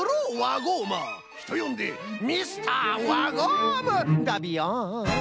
ひとよんで「ミスターワゴーム」だビヨン！